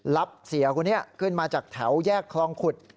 รับเสียคนนี้ขึ้นมาจากแถวแยกคลองขุด